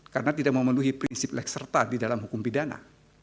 karena tidak memenuhi prinsip lekserta di dalam hukum pidana